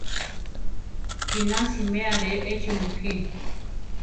Kina siméa re échi mukí.